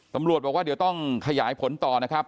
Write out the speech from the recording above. ตำรวจบอกว่าเดี๋ยวต้องขยายผลต่อนะครับ